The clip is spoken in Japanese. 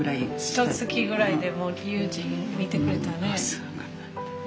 ひとつきぐらいでもう悠仁を見てくれたね。